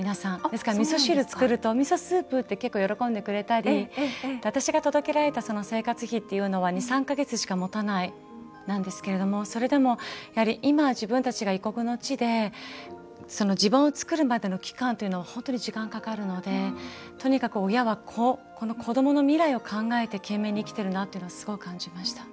ですから、みそ汁作るとミソスープ！って結構、喜んでくれたり私が届けられた生活費というのは２３か月しかもたないんですがそれでも今、自分たちが異国の地で地盤を作るまでの期間というのは本当に時間がかかるのでとにかく親は子どもの未来を考えて懸命に生きているなというのはすごい感じました。